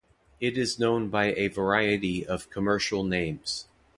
It is known by a variety of commercial names.